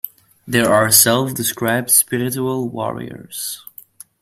There are self-described spiritual warriors.